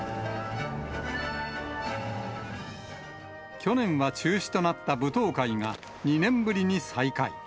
去年は中止となった舞踏会が、２年ぶりに再開。